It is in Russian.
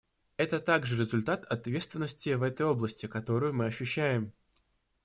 Это также результат ответственности в этой области, которую мы ощущаем.